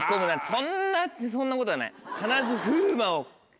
そんなそんなことはない。